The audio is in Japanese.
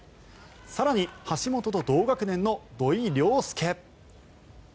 更に、橋本と同学年の土井陵輔。